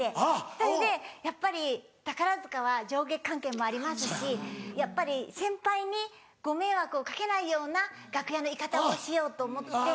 それでやっぱり宝塚は上下関係もありますしやっぱり先輩にご迷惑をかけないような楽屋の居方をしようと思ってて。